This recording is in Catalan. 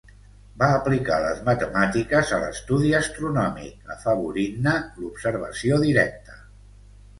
Va aplicar les matemàtiques a l'estudi astronòmic, afavorint-ne l'observació directa.